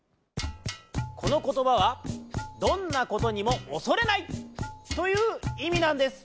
このことばはどんなことにもおそれない！といういみなんです。